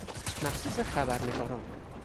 مخصوص خبرنگاران